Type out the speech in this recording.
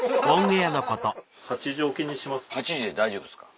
８時で大丈夫ですか？